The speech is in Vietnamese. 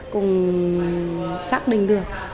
cũng xác định được